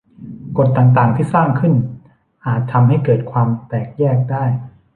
กฎต่าง ๆ ที่สร้างขึ้น อาจทำให้เกิดความแตกแยกได้